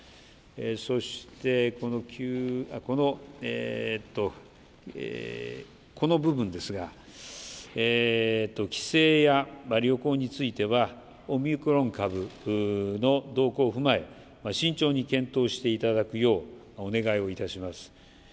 そして、この部分ですが、帰省や旅行については、オミクロン株の動向を踏まえ、慎重に検討していただくようお願いをいたします。